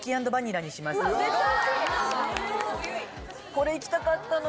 ・これ行きたかったの！